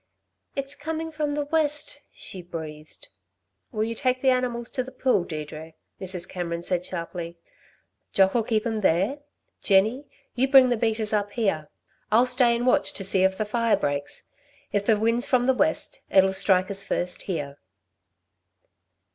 "It's coming from the west," she breathed. "Will you take the animals to the pool, Deirdre," Mrs. Cameron said sharply. "Jock'll keep them there. Jenny, you bring the beaters up here. I'll stay and watch to see if the fire breaks. If the wind's from the west, it'll strike us first here."